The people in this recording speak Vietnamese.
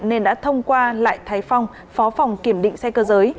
nên đã thông qua lại thái phong phó phòng kiểm định xe cơ giới